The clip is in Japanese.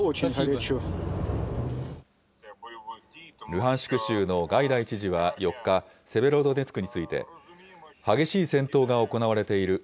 ルハンシク州のガイダイ知事は４日、セベロドネツクについて、激しい戦闘が行われている。